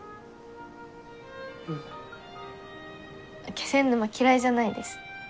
気仙沼嫌いじゃないです。